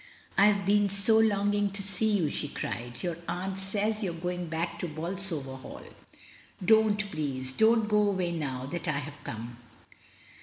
"I have been so longing to see you," she cried. "Your aunt says you are going back to Bolsover Hall. Don't, please — don't go away now that I have come."